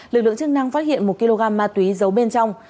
lực lượng chức năng phát hiện một kg ma túy giấu bên trong